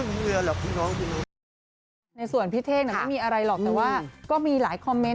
ไม่ได้มีอะไรหรอกแต่ว่าก็มีหลายคอมเม้นต์